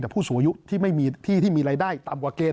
แต่ผู้สูงอายุที่ไม่มีที่ที่มีรายได้ต่ำกว่าเกณ